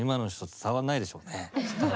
伝わらないでしょうね。